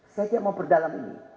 saya tidak mau perdalam ini